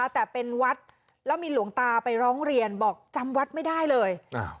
แต่เป็นวัดแล้วมีหลวงตาไปร้องเรียนบอกจำวัดไม่ได้เลย